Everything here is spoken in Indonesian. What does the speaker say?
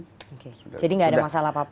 oke jadi nggak ada masalah apa apa